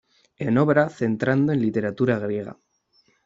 En obra, centrando en literatura griega.